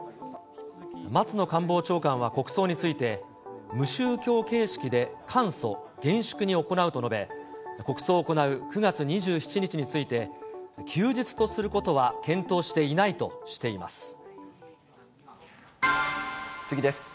松野官房長官は国葬について、無宗教形式で簡素、厳粛に行うと述べ、国葬を行う９月２７日について、休日とすることは検討していない次です。